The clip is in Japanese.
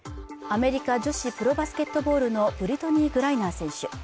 アメリカ女子プロバスケットボールのブリトニー・グライナー選手